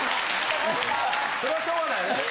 それはしょうがないよね。